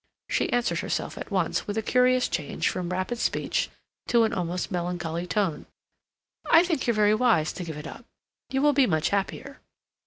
She answered herself at once, with a curious change from rapid speech to an almost melancholy tone. "I think you're very wise to give it up. You will be much happier."